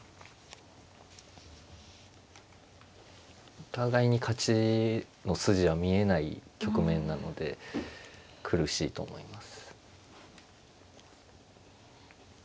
お互いに勝ちの筋は見えない局面なので苦しいと思います。